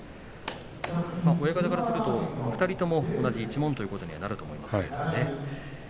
親方からすると２人とも同じ一門ということにはなりますよね。